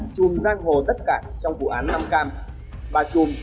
trùm giang hồ đất cảng trong vụ án năm cam